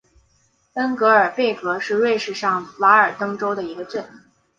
恩格尔贝格是瑞士上瓦尔登州的一个镇。